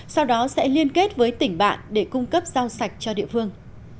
sau đó sẽ liên kết với tỉnh bạn để cung cấp rau sạch cho địa phương